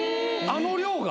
あの量が！？